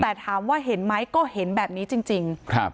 แต่ถามว่าเห็นไหมก็เห็นแบบนี้จริงครับ